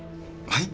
はい！？